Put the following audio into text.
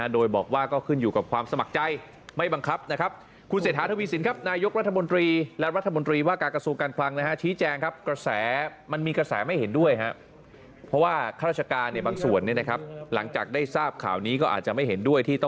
โดยแบบว่าก็ขึ้นอยู่กับความสมัครใจไม่บังคับนะครับคุณเศรษฐาทวีสิน